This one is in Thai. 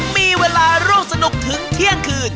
มีเวลาร่วมสนุกถึงเที่ยงคืน